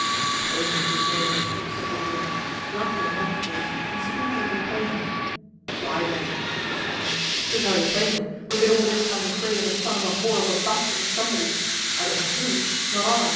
"Pray, my good neighbour," said Allworthy, "drop your metaphors, and speak a little plainer." "Why, then," says the squire, "to tell you plainly, we have been all this time afraid of a son of a whore of a bastard of somebody's, I don't know whose, not I.